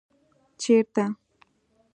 ـ چېرته؟